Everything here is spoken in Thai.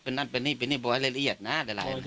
เป็นอันเป็นนี้โบบัตรรายละเอี๊ยดนะแหละ